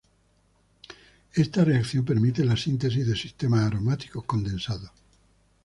Esta reacción permite la síntesis de sistemas aromáticos condensados.